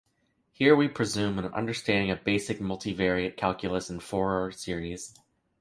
Here we presume an understanding of basic multivariate calculus and Fourier series.